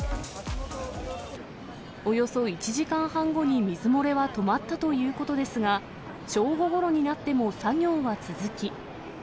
およそ１時間半後に水漏れは止まったということですが、正午ごろになっても作業は続き。